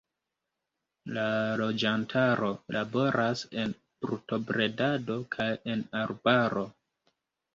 La loĝantaro laboras en brutobredado kaj en arbaro.